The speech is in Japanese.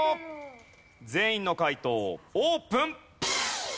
全員の解答オープン！